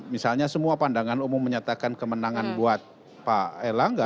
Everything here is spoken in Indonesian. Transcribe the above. misalnya semua pandangan umum menyatakan kemenangan buat pak erlangga